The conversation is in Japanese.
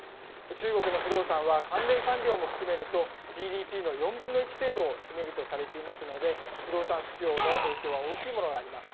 中国の不動産は関連産業も含めるとＧＤＰの４分の１程度を占めるとされていますので、不動産不況の影響は大きいものがあります。